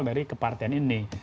dari kepartian ini